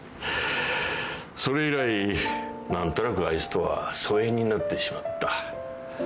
それ以来何となくあいつとは疎遠になってしまった。